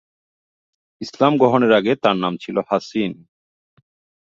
ইসলাম গ্রহণের আগে তার নাম ছিল হাছিন।